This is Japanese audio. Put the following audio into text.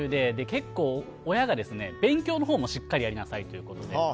結構、親が勉強のほうもしっかりやりなさいということで。